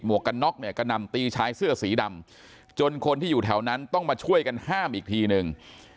กกันน็อกเนี่ยกระหน่ำตีชายเสื้อสีดำจนคนที่อยู่แถวนั้นต้องมาช่วยกันห้ามอีกทีนึง